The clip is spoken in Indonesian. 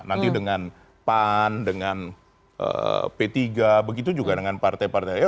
nanti dengan pan dengan p tiga begitu juga dengan partai partai lain